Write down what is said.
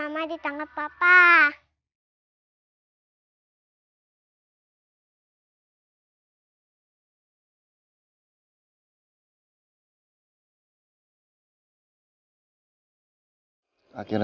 mas ini dia